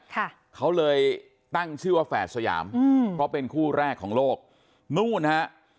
ค่ะเขาเลยตั้งชื่อว่าแฝดสยามอืมเพราะเป็นคู่แรกของโลกนู่นฮะ